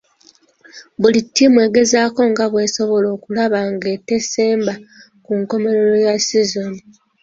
Buli ttiimu egezaako nga bwe kisoboka okulaba nga tesemba ku nkomerero ya ssizoni.